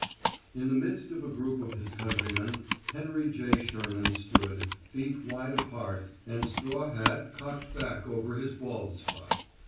In the midst of a group of his countrymen Henry J. Sherman stood, feet wide apart and straw hat cocked back over his bald spot.